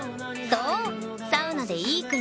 そう「サウナでいい国」